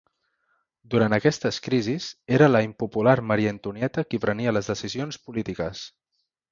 Durant aquestes crisis, era la impopular Maria Antonieta qui prenia les decisions polítiques.